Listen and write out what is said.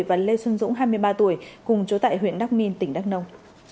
và lê xuân dũng hai mươi ba tuổi cùng chối tại huyện đắk minh tỉnh đắk nông